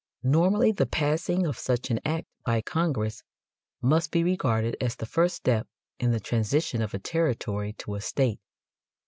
Normally the passing of such an act by Congress must be regarded as the first step in the transition of a territory to a state.